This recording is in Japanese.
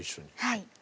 はい。